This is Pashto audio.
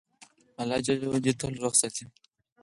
الله ج دي تل روغ ساتی